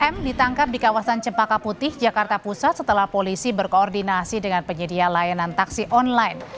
m ditangkap di kawasan cempaka putih jakarta pusat setelah polisi berkoordinasi dengan penyedia layanan taksi online